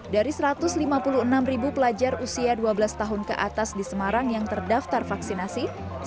dari satu ratus lima puluh enam ribu pelajar usia dua belas tahun ke atas di semarang yang terdaftar vaksinasi